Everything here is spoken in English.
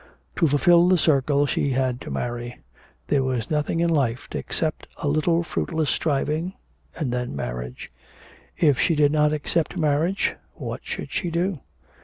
To fulfil the circle she had to marry. There was nothing in life except a little fruitless striving, and then marriage. If she did not accept marriage, what should she do?